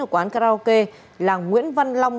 ở quán karaoke làng nguyễn văn long ba mươi ba